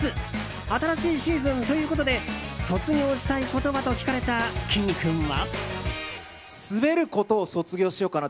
新しいシーズンということで卒業したいことは？と聞かれたきんに君は。